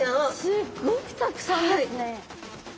すっごくたくさんですね。